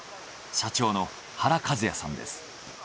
社長の原和也さんです。